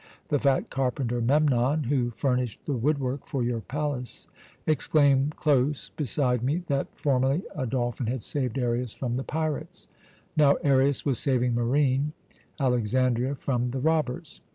The fat carpenter, Memnon who furnished the wood work for your palace exclaimed close beside me that formerly a dolphin had saved Arius from the pirates; now Arius was saving marine Alexandria from the robbers.